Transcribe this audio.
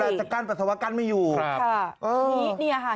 เวลาจะกั้นปรัสสาวะกั้นไม่อยู่ครับค่ะอ๋อนี่นี่ค่ะ